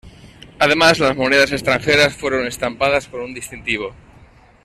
Además, las monedas extranjeras fueron estampadas con un distintivo.